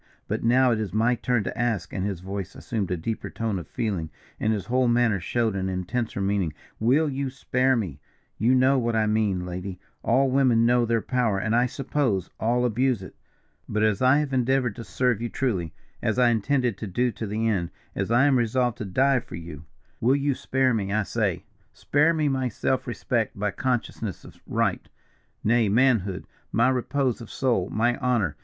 But now it is my turn to ask," and his voice assumed a deeper tone of feeling, and his whole manner showed an intenser meaning, "will you spare me? You know what I mean, lady all women know their power, and, I suppose, all abuse it. But as I have endeavoured to serve you truly, as I intend to do to the end as I am resolved to die for you will you spare me, I say? Spare me my self respect, my consciousness of right, nay manhood, my repose of soul, my honour.